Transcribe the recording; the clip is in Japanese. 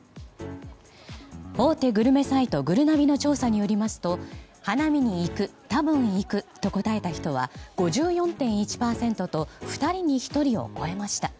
大手グルメサイトぐるなびの調査によりますと花見に行く・たぶん行くと答えた人は５４．１％と２人に１人を超えました。